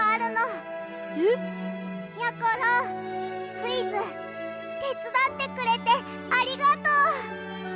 クイズてつだってくれてありがとう！